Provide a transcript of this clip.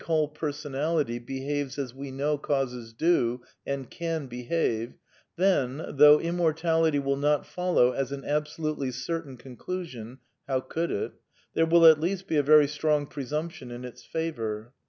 ^call Personality ^^^YfiFl ^a ^» Vr^nw causes d o and can behave, then, though immortality will not follow as an absolutely certain conclusion (how could it ?) there will at least be a very strong presumption in its favour.